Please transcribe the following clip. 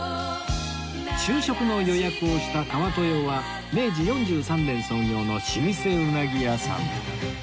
昼食の予約をした川豊は明治４３年創業の老舗うなぎ屋さん